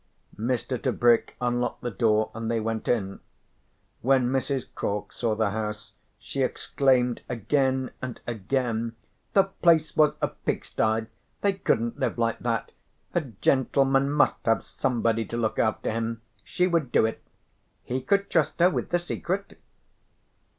Mr. Tebrick unlocked the door and they went in. When Mrs. Cork saw the house she exclaimed again and again: "The place was a pigstye. They couldn't live like that, a gentleman must have somebody to look after him. She would do it. He could trust her with the secret."